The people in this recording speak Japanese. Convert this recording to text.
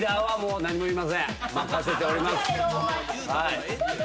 はい。